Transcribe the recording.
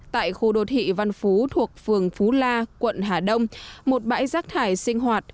tại khu đô thị văn phú thuộc phường phú la quận hà đông một bãi rác thải sinh hoạt